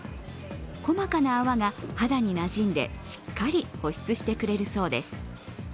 細かな泡が肌になじんでしっかり保湿してくれるそうです。